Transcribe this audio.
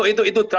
masih ada tuh saya